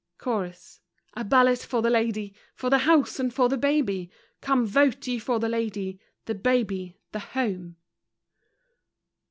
CHORUS: A ballot for the Lady! For the Home and for the Baby! Come, vote ye for the Lady, The Baby, the Home!